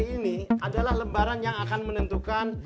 ini adalah lembaran yang akan menentukan